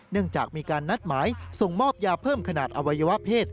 เนื่องจากมีการนัดหมายส่งมอบยาเพิ่มขนาดอวัยวะเพศ